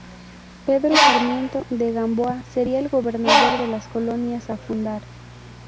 Pedro Sarmiento de Gamboa sería el gobernador de las colonias a fundar.